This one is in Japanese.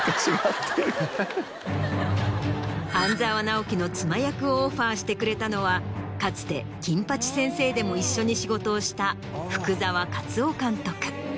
『半沢直樹』の妻役をオファーしてくれたのはかつて『金八先生』でも一緒に仕事をした福澤克雄監督。